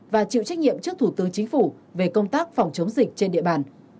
và chịu trách nhiệm trước thủ tướng chính phủ về công tác phòng chống dịch trên địa bàn